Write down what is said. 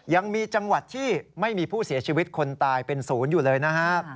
ยังมีจังหวัดที่ไม่มีผู้เสียชีวิตคนตายเป็นศูนย์อยู่เลยนะฮะ